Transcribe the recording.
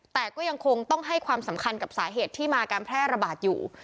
แต่ก็ยังคงต้องให้ความสำคัญกับสาเหตุที่มาการแพร่ระบาดอยู่